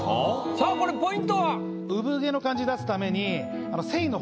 さあこれポイントは？